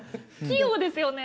器用ですよね。